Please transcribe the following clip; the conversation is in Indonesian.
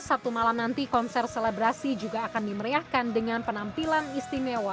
sabtu malam nanti konser selebrasi juga akan dimeriahkan dengan penampilan istimewa